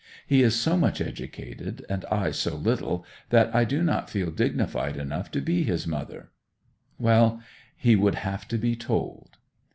He is so much educated and I so little that I do not feel dignified enough to be his mother ... Well, he would have to be told.